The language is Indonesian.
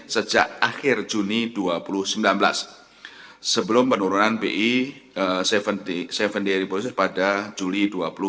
sejak akhir juni dua ribu sembilan belas sebelum penurunan pi tujuh puluh reposis pada juli dua ribu sembilan belas